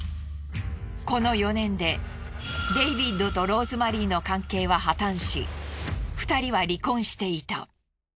この４年でデイビッドとローズマリーの関係は破綻し２人は離婚していた。